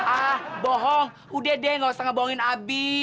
ah bohong udah deh gak usah ngebohongin abi